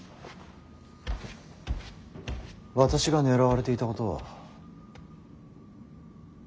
私が狙われていたことは？